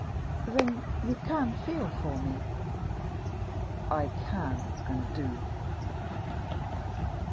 "Then you can feel for me?" "I can and do."